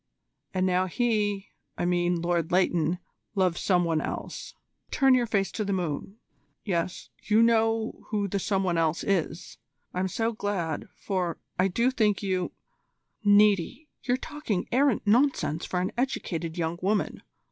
And now he, I mean Lord Leighton loves some one else. Turn your face to the moon. Yes, you know who the some one else is. I'm so glad, for I do think you " "Niti, you're talking arrant nonsense for an educated young woman.